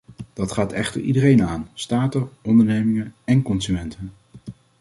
Dat gaat echter iedereen aan: staten, ondernemingen en consumenten.